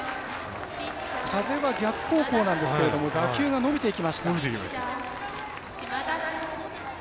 風は逆方向なんですけど打球が伸びていきました。